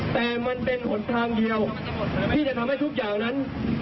แต่มันเป็นหนทางเดียวที่จะทำให้ทุกอย่างนั้น